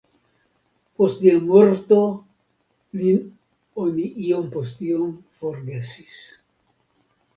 Post lia morto, lin oni iom post iom forgesis.